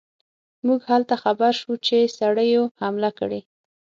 موږ هلته خبر شو چې سړیو حمله کړې.